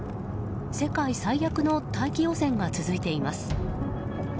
世界最悪の大気汚染が続いています。